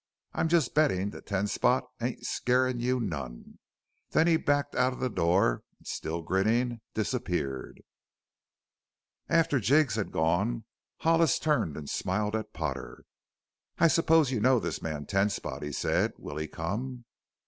"I'm just bettin' that Ten Spot ain't scarin' you none!" Then he backed out of the door and still grinning, disappeared. After Jiggs had gone Hollis turned and smiled at Potter. "I suppose you know this man Ten Spot," he said. "Will he come?"